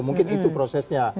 mungkin itu prosesnya